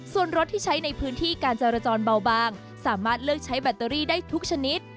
ส่วนรถที่ใช้ในพื้นที่การจรจรเบาบางสามารถเลือกใช้แบตเตอรี่ได้ทุกชนิด